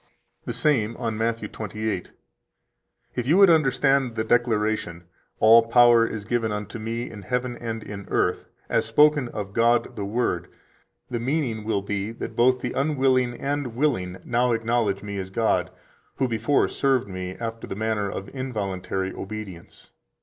136 The same, on Matt. 28: "If you would understand the declaration: 'All power is given unto Me in heaven and in earth,' as spoken of God the Word, the meaning will be that both the unwilling and willing now acknowledge Me as God, who before served Me after the manner of involuntary obedience.